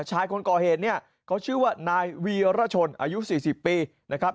ชายคนก่อเหตุเนี่ยเขาชื่อว่านายวีรชนอายุ๔๐ปีนะครับ